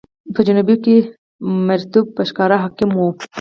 په جنوب کې مریتوب په ښکاره حاکم و.